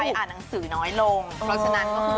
อ่านหนังสือน้อยลงเพราะฉะนั้นก็คือ